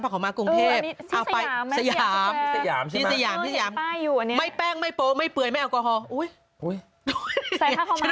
แต่จริงส่วนใหญ่ก็หมด